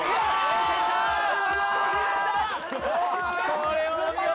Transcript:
これはお見事！